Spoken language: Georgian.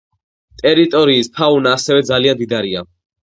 ტერიტორიის ფაუნა ასევე ძალიან მდიდარია.